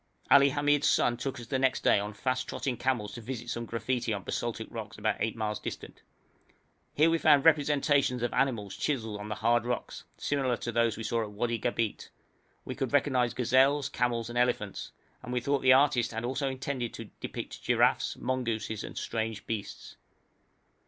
Ali Hamid's son took us the next day on fast trotting camels to visit some graffiti on basaltic rocks about eight miles distant. Here we found representations of animals chiselled on the hard rocks, similar to those we saw in Wadi Gabeit; we could recognise gazelles, camels, and elephants, and we thought the artist also had intended to depict giraffes, mongooses, and other strange beasts.